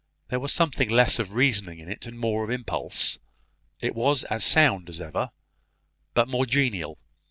There was somewhat less of reasoning in it, and more of impulse; it was as sound as ever, but more genial.